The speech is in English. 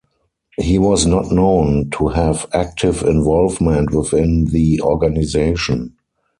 He was not known to have active involvement within the organization.